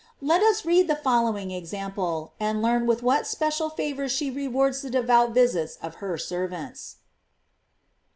Let us read the follow ing example, and learn with what special favors she rewards the devout visits of her servants.